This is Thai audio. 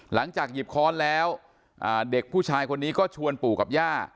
หลังจากหยิบค้อนแล้วเด็กผู้ชายคนนี้ก็ชวนปู่กับย่า